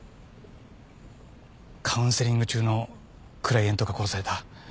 カウンセリング中のクライエントが殺された。